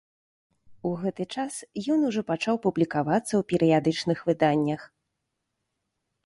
У гэты час ён ужо пачаў публікавацца ў перыядычных выданнях.